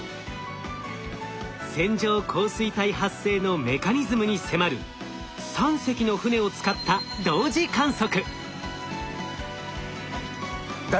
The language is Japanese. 線状降水帯発生のメカニズムに迫る３隻の船を使った同時観測。